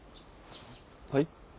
はい？